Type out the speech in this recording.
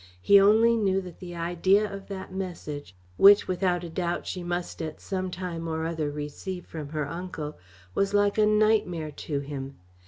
He only knew that the idea of that message, which without a doubt she must at some time or other receive from her uncle, was like a nightmare to him.